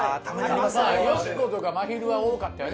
よしことかまひるは多かったね